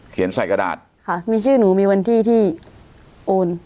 ใส่กระดาษค่ะมีชื่อหนูมีวันที่ที่โอน